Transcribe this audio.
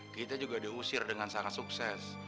kita juga diusir dengan sangat sukses